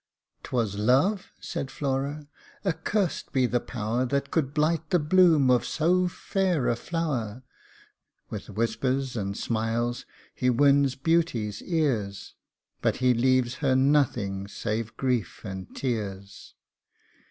" 'Twas Love !" said Flora :" accursed be the power That could blight the bloom of so fair a flower. With whispers and smiles he wins Beauty's ears, But he leaves her nothing save grief and tears.